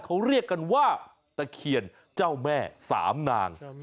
เขาเรียกกันว่าตะเคียนเจ้าแม่สามนาง